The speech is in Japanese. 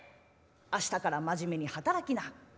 明日から真面目に働きな」。